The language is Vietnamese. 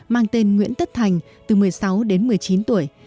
mang tên nguyễn tất thành từ một mươi sáu đến một mươi chín tuổi